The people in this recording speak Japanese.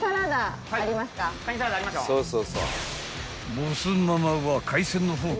［ボスママは海鮮の宝庫